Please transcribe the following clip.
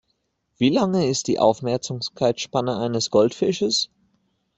Wie lang ist die Aufmerksamkeitsspanne eines Goldfisches?